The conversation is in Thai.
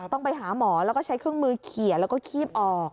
ต้องไปหาหมอแล้วก็ใช้เครื่องมือเขียนแล้วก็คีบออก